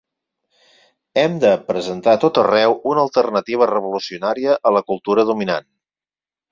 Hem de presentar a tot arreu una alternativa revolucionària a la cultura dominant.